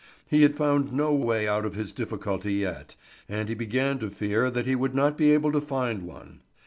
He had found no way out of his difficulty yet, and he began to fear that he would not be able to find one.